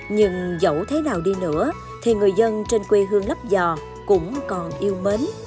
nhưng dẫu thế nào đi nữa thì người dân trên quê hương lắp giò cũng còn yêu mến